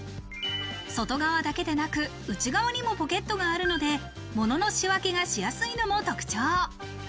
外側だけでなく内側にもポケットがあるので、物の仕分けがしやすいのも特徴。